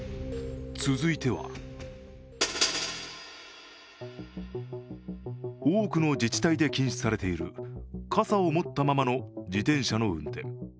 続いては多くの自治体で禁止されている傘を持ったままの自転車の運転。